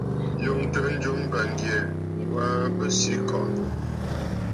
Ǹyòŋtə njɨm bàŋgyɛ̀, Ŋ̀gwaa Besǐkɔ̀ʼɔ̀.